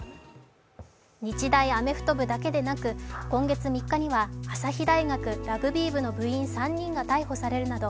日大アメフト部だけでなく今月３日には、朝日大学ラグビー部の部員３人が逮捕されるなど、